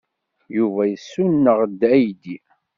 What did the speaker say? Yuba yessuneɣ-d aydi.